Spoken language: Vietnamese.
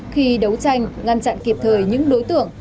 khi đấu tranh ngăn chặn kịp thời những đối tượng